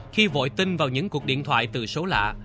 khi vội tin vào những cuộc điện thoại từ số lạ